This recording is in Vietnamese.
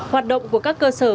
hoạt động của các cơ sở